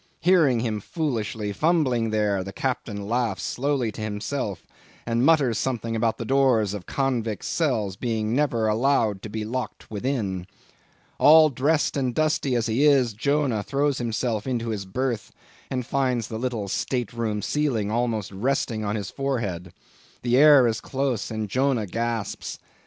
Hearing him foolishly fumbling there, the Captain laughs lowly to himself, and mutters something about the doors of convicts' cells being never allowed to be locked within. All dressed and dusty as he is, Jonah throws himself into his berth, and finds the little state room ceiling almost resting on his forehead. The air is close, and Jonah gasps.